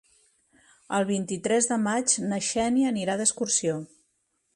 El vint-i-tres de maig na Xènia anirà d'excursió.